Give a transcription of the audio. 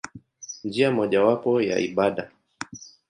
Njia mojawapo ya ibada.